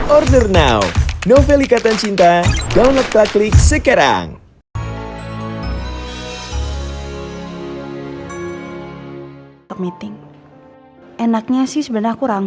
order now novel ikatan cinta download plaklik sekarang